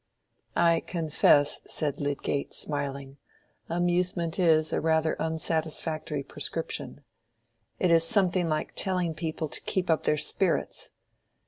"I confess," said Lydgate, smiling, "amusement is rather an unsatisfactory prescription. It is something like telling people to keep up their spirits.